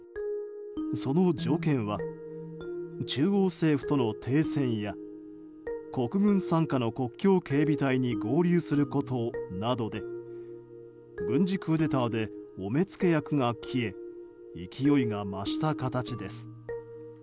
その条件は、中央政府との停戦や国軍傘下の国境警備隊に合流することなどで軍事クーデターでお目付け役が消え勢いが増した形です。